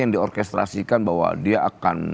yang diorkestrasikan bahwa dia akan